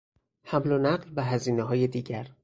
حمل و نقل و هزینههای دیگر